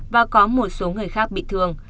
và có một số người khác bị thương